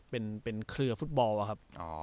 เป็นเครือฟุตบอลอะครับ